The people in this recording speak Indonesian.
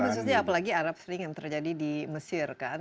khususnya apalagi arab sering yang terjadi di mesir kan